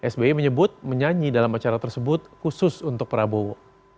sbi menyebut menyanyi dalam acara tersebut khusus untuk prabowo